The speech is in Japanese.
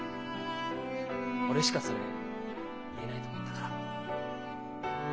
俺しかそれ言えないと思ったから。